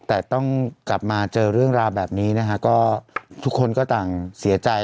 แต่ต้องกลับมาเจอเรื่องราวแบบนี้นะฮะก็ทุกคนก็ต่างเสียใจ